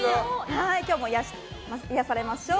今日も癒やされましょう。